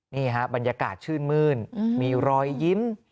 นี่ฮะบรรยากาศชื่นมื้นมีรอยยิ้ม